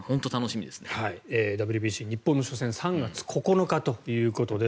ＷＢＣ、日本の初戦は３月９日ということです。